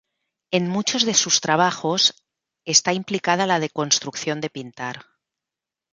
En muchos de sus trabajos está implicada la "deconstrucción" de pintar.